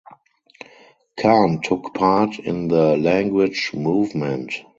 Khan took part in the Language Movement.